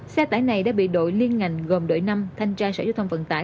xe tải này đã bị đội liên ngành gồm đội năm thanh tra sở giao thông vận tải